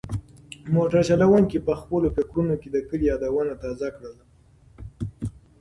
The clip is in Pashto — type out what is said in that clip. موټر چلونکي په خپلو فکرونو کې د کلي یادونه تازه کړل.